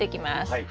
はい。